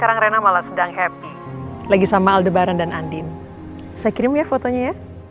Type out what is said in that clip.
atuh ramai jam lagi nyampir proses lebih di rumah ya